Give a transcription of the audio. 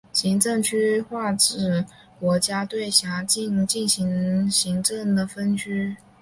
行政区划指国家对辖境进行的行政分区。